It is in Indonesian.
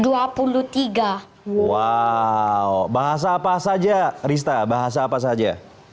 wow bahasa apa saja rista bahasa apa saja